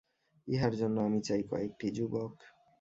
ইহার জন্য আমি চাই কয়েকটি যুবক।